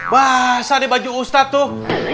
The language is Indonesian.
basah di baju ustaz tuh